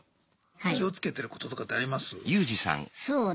気をつけてることとかってあります？